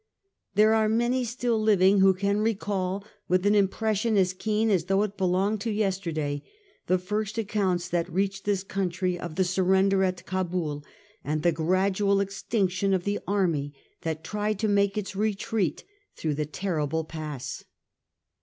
There are many still living who can recall with an impression as keen as though it belonged to yesterday the first accounts that reached this country of the surrender at Cabul, and the gradual extinction of the army that tried to make its retreat through the terrible Pass.